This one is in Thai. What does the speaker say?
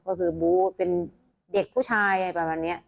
ก็คือบู้เป็นเด็กผู้ชายอะไรแบบนี้